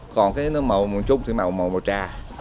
còn màu trung thì màu trà